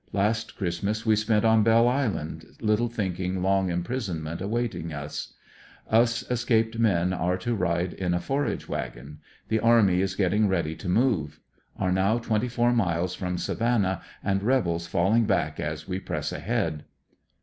Last Christmas we spent on Belle Island, little thinking long imprisonment awaiting us. Us es caped men are to ride in a forage wagon. The army is getting ready to move. Are now twenty four miles from Savannah and rebels falling back as we press ahead.